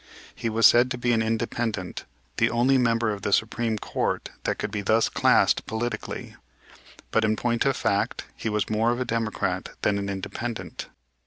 He was said to be an Independent, the only member of the Supreme Court that could be thus classed politically. But, in point of fact, he was more of a Democrat than an Independent.